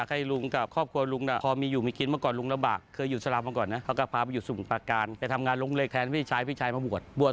คุณลุงทรับเหตุการณ์เลมันนั้นได้มั้ย